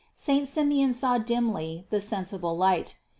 Saint Simeon saw dimly the sen sible light.